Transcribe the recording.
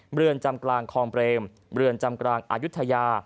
บริเวณจำกลางคลองเบรมบริเวณจำกลางอายุทยา